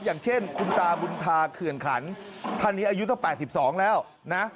อย่างเช่นคุณตาบุญธาเขื่อนขันท่านนี้อายุตั้ง๘๒แล้วนะ